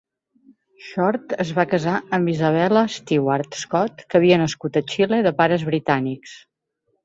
Shortt es va casar amb Isabella Stewart Scott, que havia nascut a Xile de pares britànics.